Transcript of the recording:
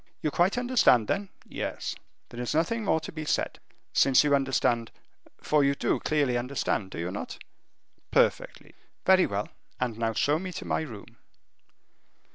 "You quite understand, then?" "Yes." "There is nothing more to be said. Since you understand, for you do clearly understand, do you not?" "Perfectly." "Very well; and now show me to my room."